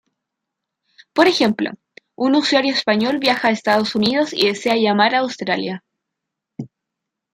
Por ejemplo, un usuario español viaja a Estados Unidos y desea llamar a Australia.